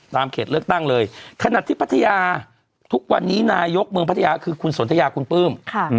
เขตเลือกตั้งเลยขนาดที่พัทยาทุกวันนี้นายกเมืองพัทยาคือคุณสนทยาคุณปลื้ม